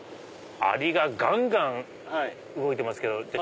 アリががんがん動いてますけど。